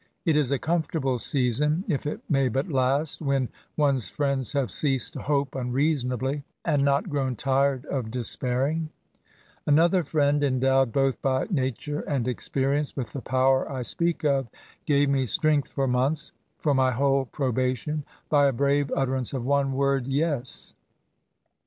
It is a comfortable season, if it may but last, when one'^s friends have ceased to hope unreasonably^ and not ^^ grown tired of despairing,'' Another friend, endowed both by nature and experience with the power I speak of, gave me strength for months — for my whole probation — by a brave utterance of one word, ^^ Yes."